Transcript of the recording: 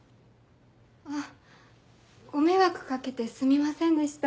あご迷惑掛けてすみませんでした。